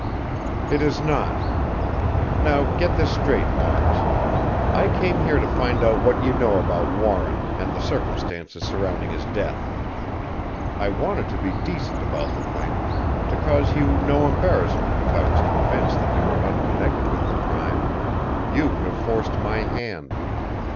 "It is not. Now get this straight, Lawrence I came here to find out what you know about Warren and the circumstances surrounding his death. I wanted to be decent about the thing to cause you no embarrassment if I was convinced that you were unconnected with the crime. You have forced my hand.